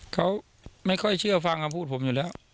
เขาไม่ค่อยเชื่อฟังคำพูดผมอยู่แล้ว